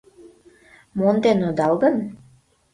Монден одал гын?